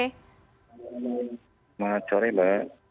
selamat sore mbak